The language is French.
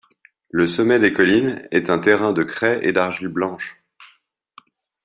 Le sommet des collines est un terrain de craie et d'argile blanche.